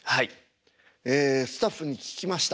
ええスタッフに聞きました。